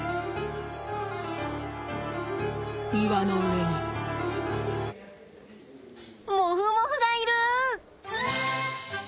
岩の上にモフモフがいる！